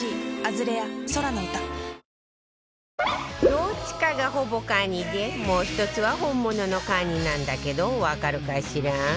どっちかがほぼカニでもう１つは本物のカニなんだけどわかるかしら？